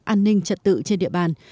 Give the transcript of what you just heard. an ninh trật tự trên địa bàn